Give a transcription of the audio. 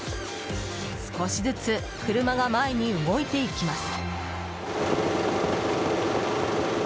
少しずつ車が前に動いていきます。